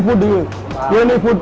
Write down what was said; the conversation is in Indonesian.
hanya menggunakan air kokona